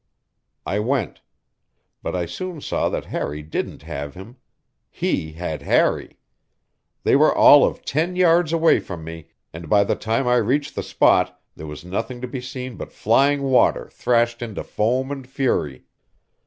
I went. But I soon saw that Harry didn't have him. He had Harry. They were all of ten yards away from me, and by the time I reached the spot there was nothing to be seen but flying water thrashed into foam and fury.